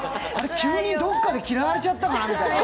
急にどっかで嫌われちゃったかな。